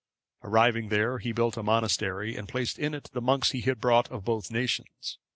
Arriving there, he built a monastery, and placed in it the monks he had brought of both nations.